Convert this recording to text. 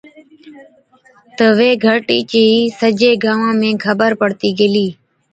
تہ وي گھَرٽِي چِي سجي گانوان ۾ خبر پڙتِي گيلِي۔